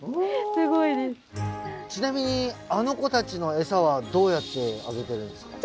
ちなみにあの子たちのエサはどうやってあげてるんですか？